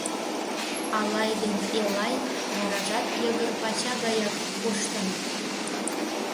Алай ден Элай варажат йыгыр пача гаяк коштыныт.